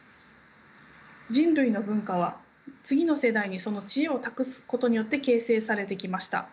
人類の文化は次の世代にその知恵を託すことによって形成されてきました。